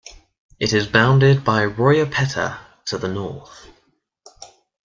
It is bounded by Royapettah to the north.